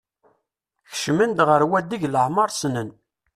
Kecmen-d ɣer wadeg leɛmer ssnen.